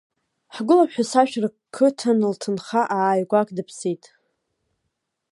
Ҳгәыла ԥҳәыс ашә рқыҭан лҭынха ааигәак дыԥсит.